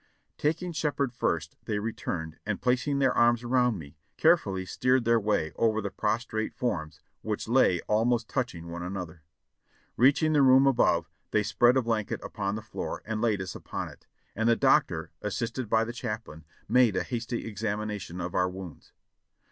Taking Shepherd first, they returned, and placing their arms around me, carefully steered their way over the prostrate forms, which lav almost touching one another. Reaching the room above, they spread a blanket upon the floor and laid us upon it, and the doctor, assisted by the chaplain, made a hasty examination of our wounds.